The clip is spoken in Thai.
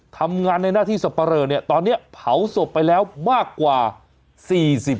ทำงานในหน้าที่สับปะเลอเนี่ยตอนนี้เผาศพไปแล้วมากกว่า๔๐